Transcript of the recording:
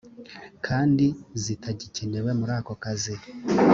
kandi zitagikenewe muri ako kazi